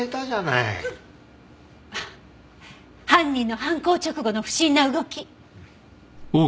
犯人の犯行直後の不審な動き！